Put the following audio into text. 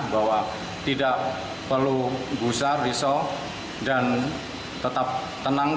bahwa tidak perlu gusar risau dan tetap tenang